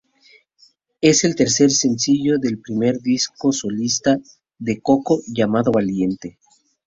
Es el tercer sencillo del primer disco solista de Koko llamado "Valiente".